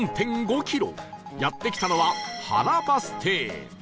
やって来たのは原バス停